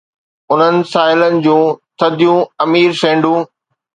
انهن ساحلن جون ٿڌيون امبر سينڊون